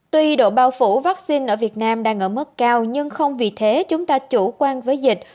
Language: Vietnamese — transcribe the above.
tuy độ bao phủ vaccine ở việt nam đang ở mức cao nhưng không vì thế chúng ta chủ quan với dịch